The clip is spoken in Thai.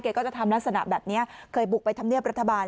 ก็จะทำลักษณะแบบนี้เคยบุกไปทำเนียบรัฐบาล